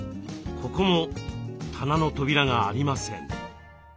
ここも棚の扉がありません。